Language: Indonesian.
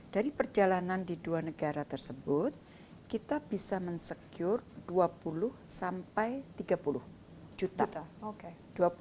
dari perjalanan di dua negara tersebut kita bisa mensecure dua puluh sampai tiga puluh juta